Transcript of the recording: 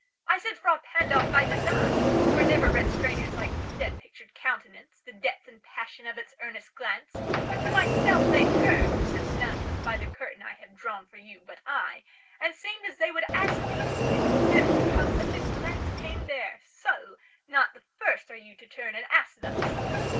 I said "Frà Pandolf" by design: for never read Strangers like you that pictured countenance, The depth and passion of its earnest glance, But to myself they turned (since none puts by The curtain I have drawn for you, but I) 10 And seemed as they would ask me, if they durst, How such a glance came there; so, not the first Are you to turn and ask thus.